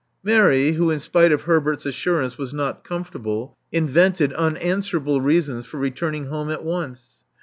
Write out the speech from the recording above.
Mary, who in spite of Herbert's assurance was not comfortable, invented unanswerable reasons for returning home at once.